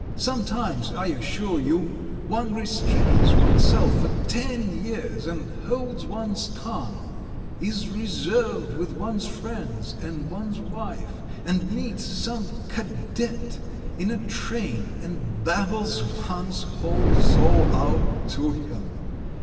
Sometimes, I assure you, one restrains oneself for ten years and holds one's tongue, is reserved with one's friends and one's wife, and meets some cadet in a train and babbles one's whole soul out to him.